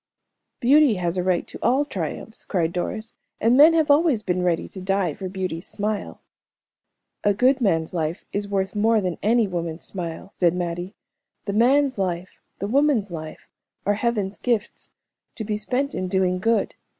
"Beauty has a right to all triumphs," cried Doris, "and men have always been ready to die for beauty's smile." "A good man's life is worth more than any woman's smile," said Mattie. "The man's life, the woman's life, are Heaven's gifts, to be spent in doing good.